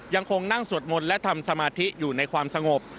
ยังคงนั่งสวดมนต์และทำสมาธิอยู่ในความสงบ